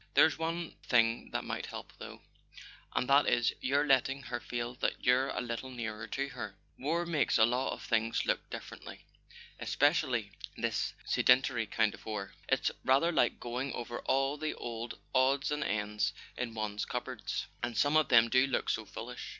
"There's one thing that might help, though; and that is, your letting her feel that you're a little nearer to her. War makes a lot of things look differently, espe¬ cially this sedentary kind of war: it's rather like going over all the old odds and ends in one's cupboards. And some of them do look so foolish.